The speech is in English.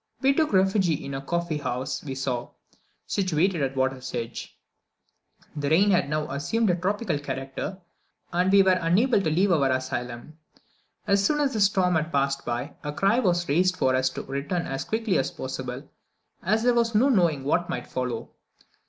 We took refuge in the first coffee house we saw, situated at the water's edge; the rain had now assumed a tropical character, and we were unable to leave our asylum. As soon as the storm had passed by, a cry was raised for us to return as quickly as possible, as there was no knowing what might follow.